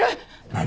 何？